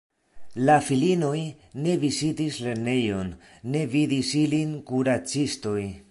La filinoj ne vizitis lernejon, ne vidis ilin kuracistoj.